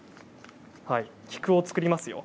菊を作りますよ。